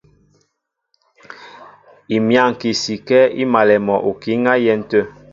Imyáŋki sikɛ́ í malɛ mɔ okǐ á yɛ́n tə̂.